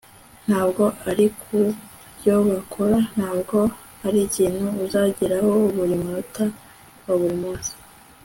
ntabwo ari kubyo bakora ntabwo arikintu uzageraho buri munota wa buri munsi